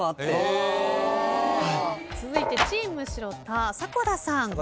続いてチーム城田迫田さん。